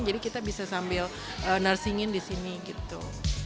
jadi kita bisa sambil nursing in di sini gitu